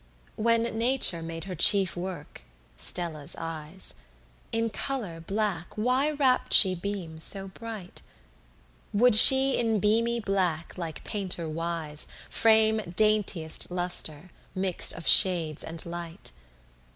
7 When Nature made her chief work, Stella's eyes, In color black why wrapp'd she beams so bright? Would she in beamy black, like painter wise, Frame daintiest lustre, mix'd of shades and light?